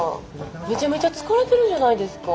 めちゃめちゃ疲れてるじゃないですか。